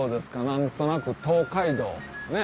何となく東海道ね。